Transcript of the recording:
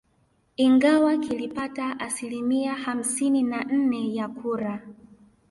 Ingawa kilipata asilimia hamsini na nne ya kura